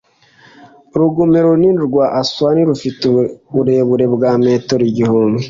urugomero runini rwa aswani rufite uburebure bwa metero igihumbi